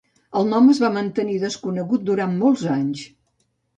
El nom es va mantenir desconegut durant molts anys.